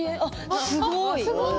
あっすごい。